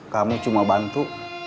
kamu cuma bantu